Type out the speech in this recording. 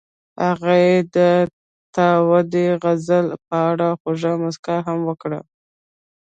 هغې د تاوده غزل په اړه خوږه موسکا هم وکړه.